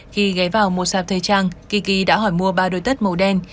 khi ghé vào một sạp thời trang tiki đã hỏi mua ba đôi tất màu đen